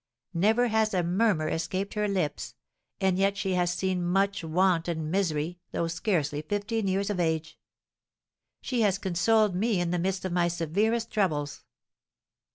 Never has a murmur escaped her lips; and yet she has seen much want and misery, though scarcely fifteen years of age! She has consoled me in the midst of my severest troubles.